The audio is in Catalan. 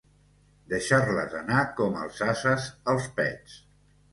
Deixar-les anar com els ases els pets.